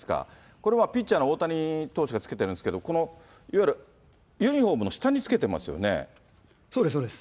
これ、ピッチャーの大谷投手がつけてるんですけど、このいわゆる、そうです、そうです。